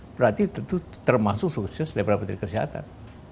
berarti itu termasuk sukses daripada menteri kesehatan